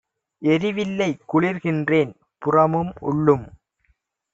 எரிவில்லை குளிர்கின்றேன் புறமும் உள்ளும்!